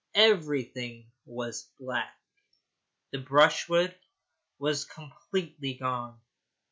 Everything was black. The brushwood was completely gone.